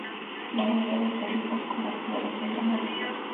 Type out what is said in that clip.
La voz debe ser rica, oscura, poderosa y dramática.